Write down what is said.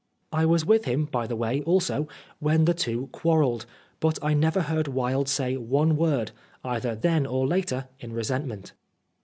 I was with him, by the way, also, when the two quarrelled, but I never heard Wilde say one word, either then or later, in resentment.